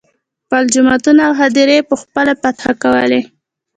خپل جوماتونه او هدیرې یې په خپله فتحه کولې.